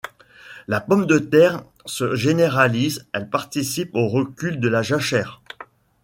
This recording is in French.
La pomme de terre se généralise, elle participe au recul de la jachère.